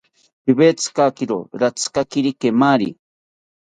Piwetzikakiro ratzikakiro kemari